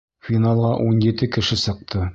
— Финалға ун ете кеше сыҡты.